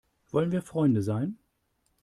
Wollen wir Freunde sein?